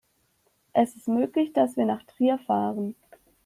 Es ist möglich, dass wir nach Trier fahren